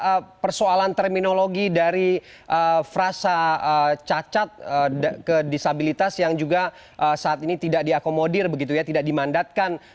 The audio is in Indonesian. ada persoalan terminologi dari frasa cacat ke disabilitas yang juga saat ini tidak diakomodir begitu ya tidak dimandatkan